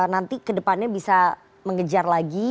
nanti kedepannya bisa mengejar lagi